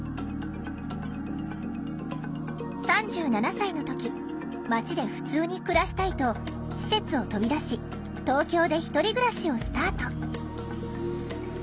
３７歳の時町でふつうに暮らしたいと施設を飛び出し東京でひとり暮らしをスタート。